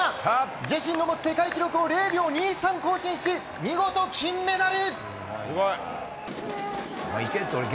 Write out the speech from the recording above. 自身の持つ世界記録を０秒２３更新し、見事金メダル！